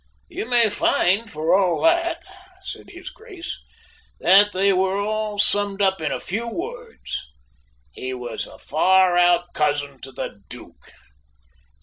"You may find, for all that," says his Grace, "that they were all summed up in a few words 'he was a far out cousin to the Duke.'